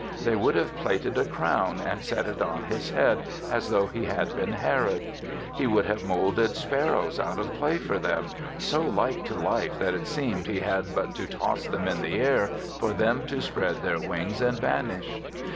They would have plaited a crown and set it on his head as though he had been Herod. He would have molded spar rows out of clay for them, so like to life that it seemed he had but to toss them in the air for them to spread their wings and vanish.